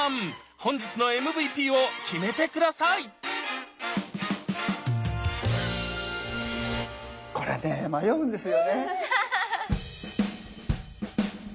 本日のＭＶＰを決めて下さいこれね迷うんですよね。